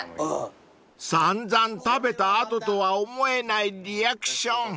［散々食べた後とは思えないリアクション］